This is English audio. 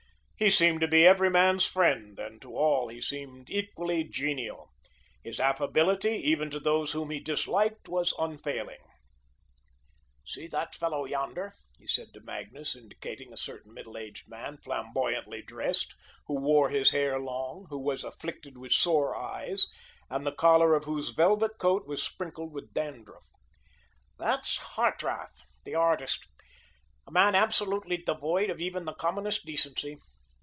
He seemed to be every man's friend, and to all he seemed equally genial. His affability, even to those whom he disliked, was unfailing. "See that fellow yonder," he said to Magnus, indicating a certain middle aged man, flamboyantly dressed, who wore his hair long, who was afflicted with sore eyes, and the collar of whose velvet coat was sprinkled with dandruff, "that's Hartrath, the artist, a man absolutely devoid of even the commonest decency.